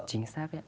chính xác đấy